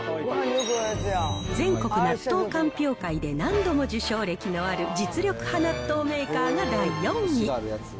全国納豆鑑評会で何度も受賞歴のある実力派納豆メーカーが第４位。